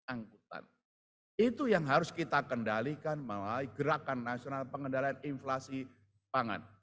angkutan itu yang harus kita kendalikan melalui gerakan nasional pengendalian inflasi pangan